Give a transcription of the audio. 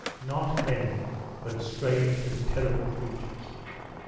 NOT MEN BUT STRANGE AND TERRIBLE CREATURES?